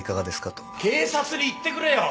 警察に言ってくれよ